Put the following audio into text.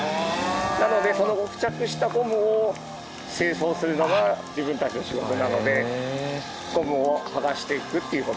なのでその付着したゴムを清掃するのが自分たちの仕事なのでゴムを剥がしていくっていう事ですね。